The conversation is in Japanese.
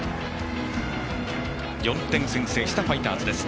４点先制したファイターズです。